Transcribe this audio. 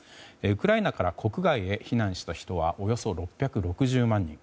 ウクライナから国外へ避難した人はおよそ６６０万人。